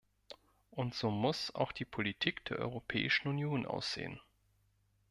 Und so muss auch die Politik der Europäischen Union aussehen!